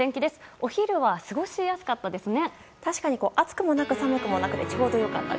お昼は過ごしやすかったですね。